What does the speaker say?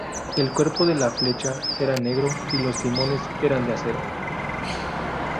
El cuerpo de la flecha era negro, y los timones eran de acero.